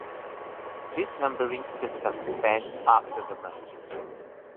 This numbering system stands after the merge.